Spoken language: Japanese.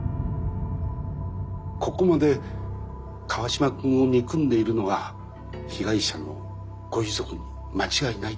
ここまで川島君を憎んでいるのは被害者のご遺族に間違いないと思ったんです。